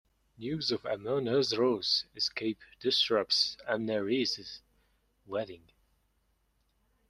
News of Amonasro's escape disrupts Amneris' wedding.